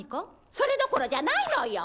それどころじゃないのよ！